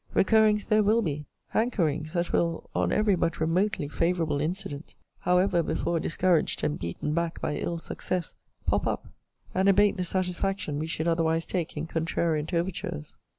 Recurrings there will be; hankerings that will, on every but remotely favourable incident, (however before discouraged and beaten back by ill success,) pop up, and abate the satisfaction we should otherwise take in contrariant overtures.